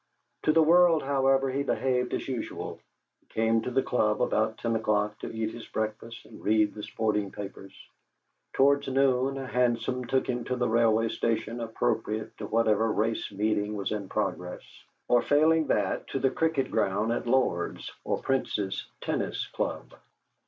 To the world, however, he behaved as usual. He came to the club about ten o'clock to eat his breakfast and read the sporting papers. Towards noon a hansom took him to the railway station appropriate to whatever race meeting was in progress, or, failing that, to the cricket ground at Lord's, or Prince's Tennis Club.